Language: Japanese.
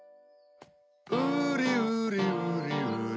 ウリウリウリウリ